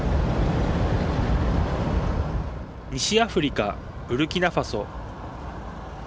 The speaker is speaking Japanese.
西アフリカ、ブルキナファソ。